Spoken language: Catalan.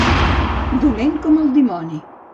Dolent com el dimoni.